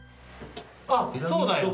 あっそうだよ